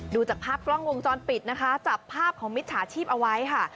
ดูจากภาพกล้องวงจรปิดนะคะจับภาพของมิจฉาชีพเอาไว้ค่ะ